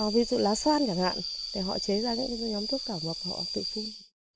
ví dụ lá xoan chẳng hạn thì họ chế ra những cái nhóm thuốc thảo mọc họ tự phun